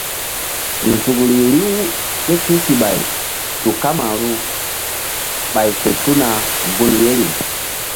Nzukri riw ké tusiɓay tu kamaru ɓay fe tuna gun yeri.